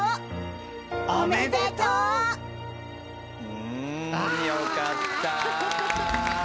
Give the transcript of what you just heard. うんよかった。